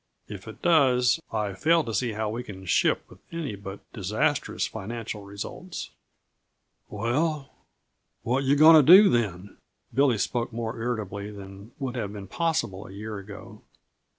If it does, I fail to see how we can ship with any but disastrous financial results." "Well, what yuh going to do, then?" Billy spoke more irritably than would have been possible a year ago.